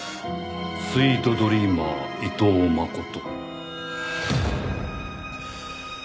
「スイートドリーマー伊藤真琴」